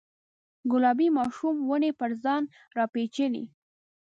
ګلابي ماښام ونې پر ځان راپیچلې